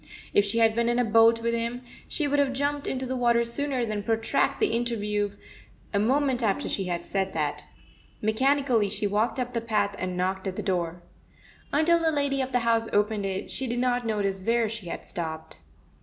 If she had been in a boat with him, she would have jumped into the water sooner than protract the inter view a moment after she had said that. Mechanically she walked up the path and knocked at the door. Until the lady of the house opened it, she did not notice where she had stopped.